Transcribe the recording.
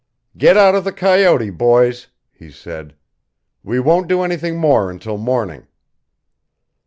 "Get out of the coyote, boys," he said. "We won't do anything more until morning."